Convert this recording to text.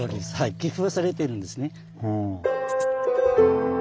寄付されているんですね。